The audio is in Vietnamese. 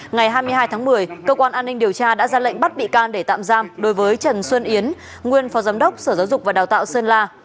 ngày hai mươi hai tháng một mươi cơ quan an ninh điều tra đã ra lệnh bắt bị can để tạm giam đối với trần xuân yến nguyên phó giám đốc sở giáo dục và đào tạo sơn la